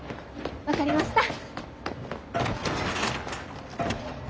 分かりました！